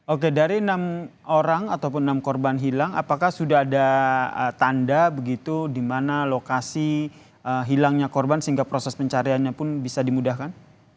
oke dari enam orang ataupun enam korban hilang apakah sudah ada tanda begitu di mana lokasi hilangnya korban sehingga proses pencariannya pun bisa dimudahkan